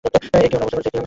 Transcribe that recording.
এ কী অবস্থা করেছিস?